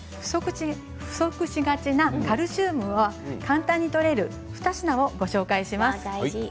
不足しがちなカルシウムを簡単にとれる２品をご紹介します。